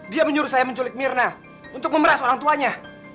dia menyuruh saya menculik mirna untuk memeras orang tuanya